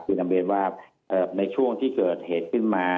คือนำเบตในช่วงที่เกิดเหตุขึ้นมา